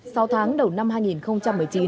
sau tháng đầu năm hai nghìn một mươi chín